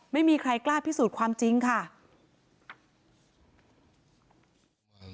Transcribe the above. ไม่มีใครกล้าพิสูจน์ความจริงค่ะ